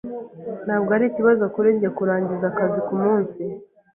Ntabwo ari ikibazo kuri njye kurangiza akazi kumunsi.